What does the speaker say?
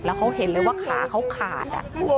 แล้วเขาเห็นเลยว่าขาเขาขาด